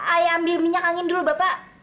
ayo ambil minyak angin dulu bapak